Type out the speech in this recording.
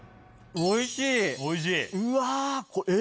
おいしい？